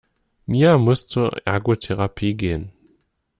Mia muss zur Ergotherapie gehen.